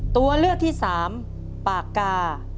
ตัวเลือกที่๓ปากกา